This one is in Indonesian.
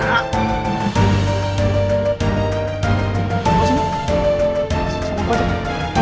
sama aku aja